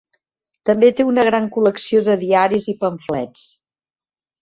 També té una gran col·lecció de diaris i pamflets.